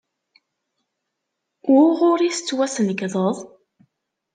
Wuɣur i tettwasnekdeḍ?